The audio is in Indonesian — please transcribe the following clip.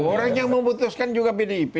orang yang memutuskan juga pdip